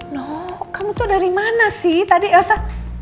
noh kamu tuh dari mana sih tadi elsa